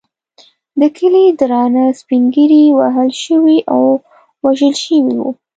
د کلي درانه سپین ږیري وهل شوي او وژل شوي وو.